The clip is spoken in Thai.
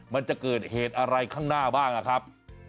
มันจะเกิดเหตุอะไรข้างหน้าบ้างนะครับ